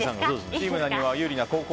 チームなにわが有利な後攻。